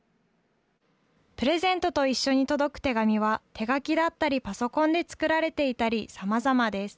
プレゼントと一緒に届く手紙は、手書きだったり、パソコンで作られていたり、さまざまです。